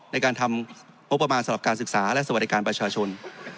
ในการทำงบประมาณสำหรับการศึกษาและสวัสดิการประชาชน